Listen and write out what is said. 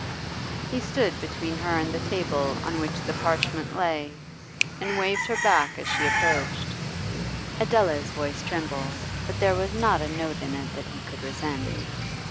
He stood between her and the table on which the parchment lay, and waved her back as she approached. Adela's voice trembled, but there was not a note in it that he could resent.